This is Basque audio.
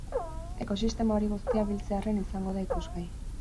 Ekosistema hori guztia biltzarrean izango da ikusgai.